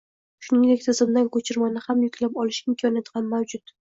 Shuningdek, tizimdan ko‘chirmani ham yuklab olish imkoniyati ham mavjud.